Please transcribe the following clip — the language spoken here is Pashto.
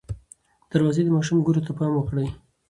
دروازې د ماشوم ګوتو ته پام وکړئ.